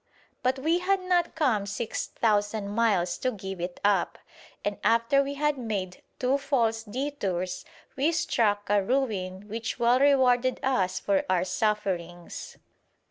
But we had not come six thousand miles to give it up; and after we had made two false detours we "struck" a ruin which well rewarded us for our sufferings.